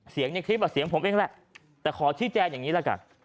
ในคลิปเสียงผมเองแหละแต่ขอชี้แจงอย่างนี้ละกัน